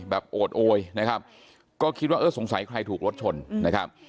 โอดโอยนะครับก็คิดว่าเออสงสัยใครถูกรถชนนะครับ